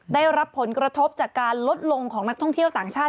ได้รับผลกระทบจากการลดลงของนักท่องเที่ยวต่างชาติ